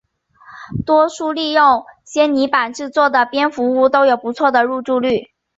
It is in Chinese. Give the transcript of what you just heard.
多数利用纤泥板制作的蝙蝠屋都有不错的入住率。